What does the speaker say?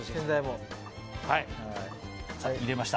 はい入れました。